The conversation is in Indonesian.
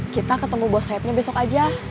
kita ketemu bos sayapnya besok aja